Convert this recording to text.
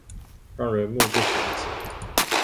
讓人目不暇給